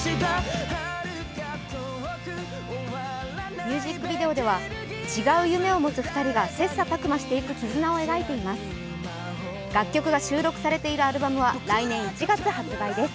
ミュージックビデオでは、違う夢を持つ２人が切磋琢磨していく絆を描いています。